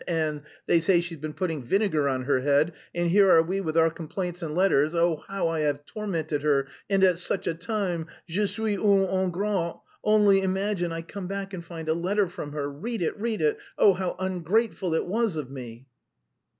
and they say she's been putting vinegar on her head, and here are we with our complaints and letters.... Oh, how I have tormented her and at such a time! Je suis un ingrat! Only imagine, I come back and find a letter from her; read it, read it! Oh, how ungrateful it was of me!"